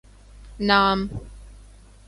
نام؟